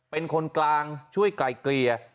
เป็นคนกลางช่วยไกลเกลี่ย